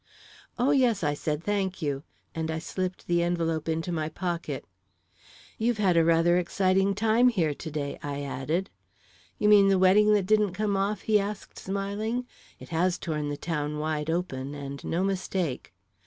"Oh, yes," I said; "thank you," and I slipped the envelope into my pocket. "You've had rather an exciting time here to day," I added. "You mean the wedding that didn't come off?" he asked, smiling. "It has torn the town wide open, and no mistake."